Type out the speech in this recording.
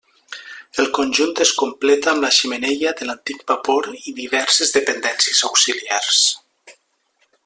El conjunt es completa amb la xemeneia de l'antic vapor i diverses dependències auxiliars.